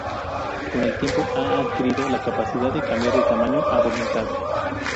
Con el tiempo, ha adquirido la capacidad de cambiar de tamaño a voluntad.